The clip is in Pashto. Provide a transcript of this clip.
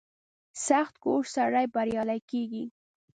• سختکوش سړی بریالی کېږي.